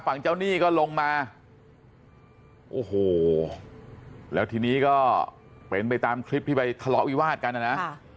ฝั่งเจ้าหนี้ก็ลงมาโอ้โหแล้วทีนี้ก็เป็นไปตามคลิปที่ไปทะเลาะวิวาดกันนะนะ